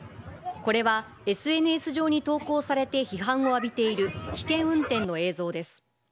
これは、ＳＮＳ上に投稿されて批判を浴びている危険運転の映像です。